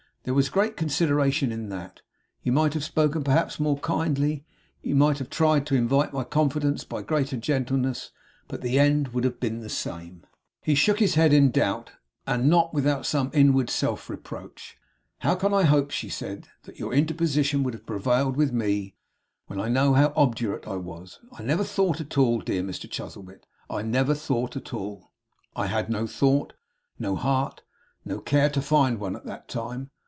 There was great consideration in that. You might have spoken, perhaps, more kindly; you might have tried to invite my confidence by greater gentleness; but the end would have been the same.' He shook his head in doubt, and not without some inward self reproach. 'How can I hope,' she said, 'that your interposition would have prevailed with me, when I know how obdurate I was! I never thought at all; dear Mr Chuzzlewit, I never thought at all; I had no thought, no heart, no care to find one; at that time.